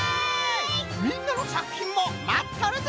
みんなのさくひんもまっとるぞ！